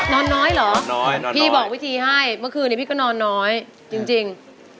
นอนน้อยเหรอพี่บอกวิธีให้เมื่อคืนนี้พี่ก็นอนน้อยจริง